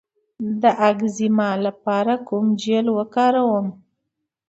د اکزیما لپاره کوم جیل وکاروم؟